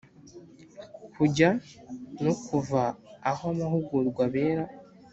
kujya no kuva aho amahugurwa abera